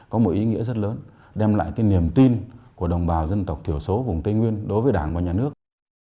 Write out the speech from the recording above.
có một ý nghĩa rất lớn đem lại cái niềm tin của đồng bào dân tộc thiểu số vùng tây nguyên đối với đảng và nhà nước